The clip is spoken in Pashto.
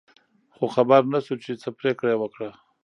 خو خبر نه شو چې څه پرېکړه یې وکړه.